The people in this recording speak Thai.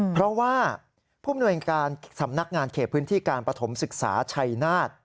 เพราะว่าผู้มนวยการสำนักงานเขตพื้นที่การปฐมศึกษาชัยนาฏ